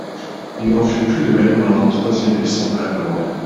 »Il n'en fut plus de même lors d'un troisième et semblable rendez-vous.